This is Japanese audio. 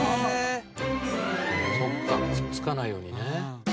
そっかくっつかないようにね。